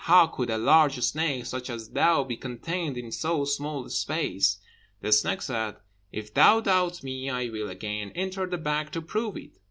How could a large snake such as thou be contained in so small a space?" The snake said, "If thou doubt me, I will again enter the bag to prove it."